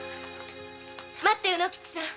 待って卯之吉さん。